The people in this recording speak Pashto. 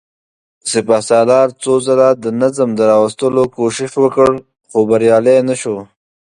سپهسالار څو ځله د نظم د راوستلو کوشش وکړ، خو بريالی نه شو.